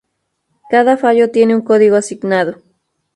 Cada fallo tiene un código asignado.